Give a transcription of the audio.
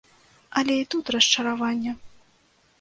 Але і тут расчараванне.